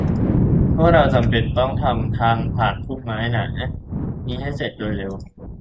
พวกเราจำเป็นต้องทำทางผ่านพุ่มไม้หนานี้ให้เสร็จโดยเร็ว